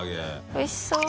おいしそう。